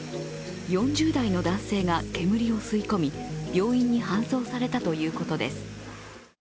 ４０代の男性が煙を吸い込み、病院に搬送されたということです。